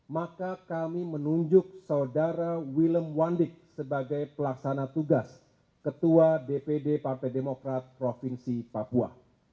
maka kami menunjuk saudara willem wandik sebagai pelaksana tugas ketua dpd partai demokrat provinsi papua